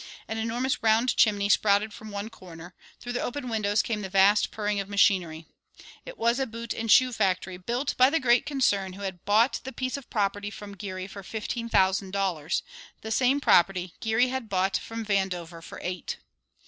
An enormous round chimney sprouted from one corner; through the open windows came the vast purring of machinery. It was a boot and shoe factory, built by the great concern who had bought the piece of property from Geary for fifteen thousand dollars, the same property Geary had bought from Vandover for eight.